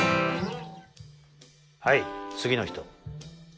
はい次の人。